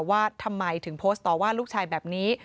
ว่าทำไมถึงโพสต์ต่อว่าลูกชายแบบนี้